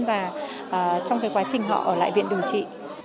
và trong cái quá trình họ ở lại viện điều trị